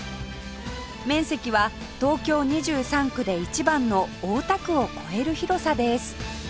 面積は東京２３区で一番の大田区を超える広さです